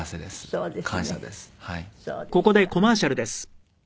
そうですか。